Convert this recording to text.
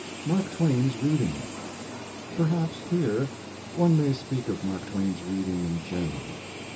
MARK TWAIN'S READING Perhaps here one may speak of Mark Twain's reading in general.